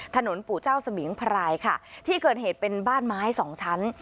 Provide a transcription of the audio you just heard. ปู่เจ้าสมิงพรายค่ะที่เกิดเหตุเป็นบ้านไม้สองชั้น